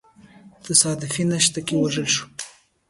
تصادفي نښته کي ووژل سو.